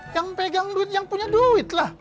yang pegang duit yang punya duitlah